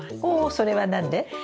おっそれは何で？